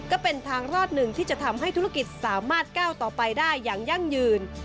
ก็เป็นทางรอดหนึ่งที่จะทำให้ธุรกิจสามารถก้าวต่อไปได้อย่างยั่งยืน